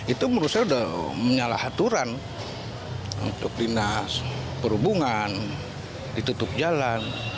itu menurut saya sudah menyalah aturan untuk dinas perhubungan ditutup jalan